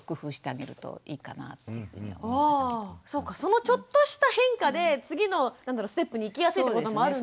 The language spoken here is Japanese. そのちょっとした変化で次のステップに行きやすいってこともあるんですね。